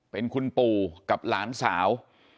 เป็นคุณปู่กับหลานสาว